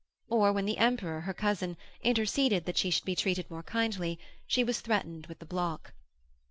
Or when the Emperor, her cousin, interceded that she should be treated more kindly, she was threatened with the block.